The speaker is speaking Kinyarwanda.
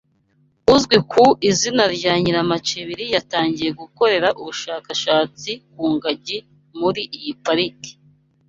uzwi ku izina rya Nyiramacibiri yatangiye gukorera ubushakashatsi ku ngagi muri iyi pariki